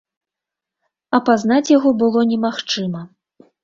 Апазнаць яго было немагчыма.